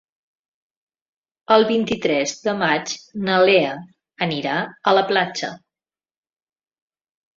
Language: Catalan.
El vint-i-tres de maig na Lea anirà a la platja.